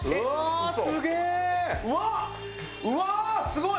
うわっすごい！